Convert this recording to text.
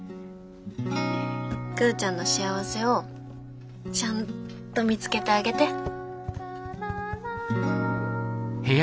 クウちゃんの幸せをちゃんと見つけてあげて。